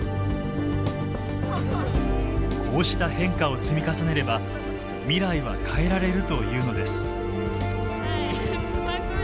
こうした変化を積み重ねれば未来は変えられるというのです。